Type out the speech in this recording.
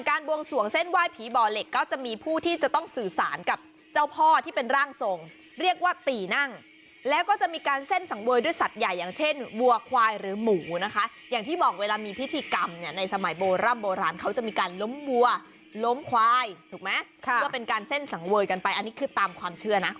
บวงสวงเส้นไหว้ผีบ่อเหล็กก็จะมีผู้ที่จะต้องสื่อสารกับเจ้าพ่อที่เป็นร่างทรงเรียกว่าตีนั่งแล้วก็จะมีการเส้นสังเวยด้วยสัตว์ใหญ่อย่างเช่นวัวควายหรือหมูนะคะอย่างที่บอกเวลามีพิธีกรรมเนี่ยในสมัยโบร่ำโบราณเขาจะมีการล้มวัวล้มควายถูกไหมเพื่อเป็นการเส้นสังเวยกันไปอันนี้คือตามความเชื่อนะ